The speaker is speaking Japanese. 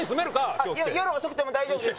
今日来て夜遅くても大丈夫です